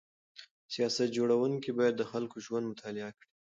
سیاست جوړونکي باید د خلکو ژوند مطالعه کړي.